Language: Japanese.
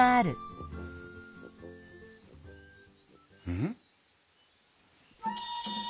うん？